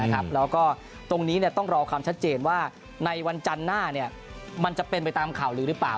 แล้วก็ตรงนี้ต้องรอความชัดเจนว่าในวันจันทร์หน้ามันจะเป็นไปตามข่าวลือหรือเปล่า